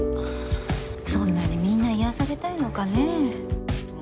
そんなにみんな癒やされたいのかねえ。